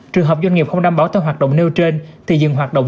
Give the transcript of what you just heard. trường hợp doanh nghiệp không đảm bảo theo hoạt động nêu trên thì dừng hoạt động